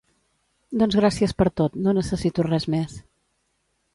Doncs gràcies per tot, no necessito res més.